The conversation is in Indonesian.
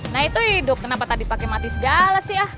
nah itu hidup kenapa tak dipake mati segala sih ah